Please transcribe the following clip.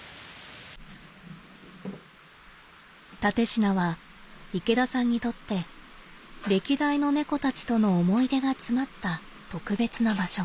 蓼科は池田さんにとって歴代の猫たちとの思い出が詰まった特別な場所。